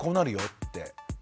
って。